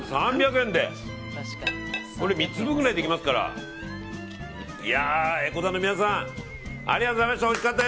３００円でこれ３つ分ぐらいできますから江古田の皆さんありがとうございました。